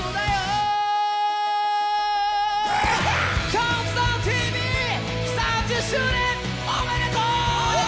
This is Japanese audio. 「ＣＤＴＶ」３０周年おめでとう！